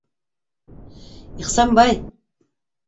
Ихсанбай...